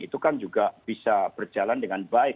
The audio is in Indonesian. itu kan juga bisa berjalan dengan baik